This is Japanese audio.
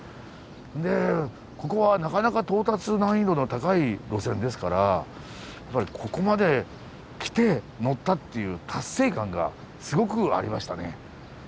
でここはなかなか到達難易度の高い路線ですからやっぱりここまで来て乗ったっていう達成感がすごくありましたね。